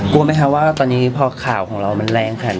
กลัวไหมคะว่าตอนนี้พอข่าวของเรามันแรงขนาดนี้